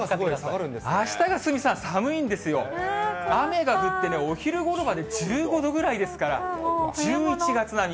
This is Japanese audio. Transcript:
あしたが鷲見さん、寒いんですよ、雨が降ってね、お昼ごろまで１５度ぐらいですから、１１月並み。